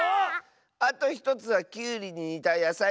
あと１つはきゅうりににたやさいだね。